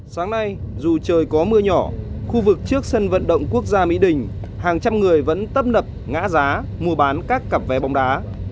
sáng nay dù trời có mưa nhỏ khu vực trước sân vận động quốc gia mỹ đình hàng trăm người vẫn tấp nập ngã giá mua bán các cặp vé bóng đá